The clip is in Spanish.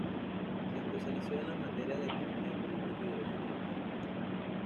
Se especializó en las materias de Economía Política y Derecho Tributario.